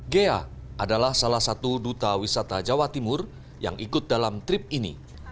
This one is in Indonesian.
ghea adalah salah satu duta wisata jawa timur yang ikut dalam trip ini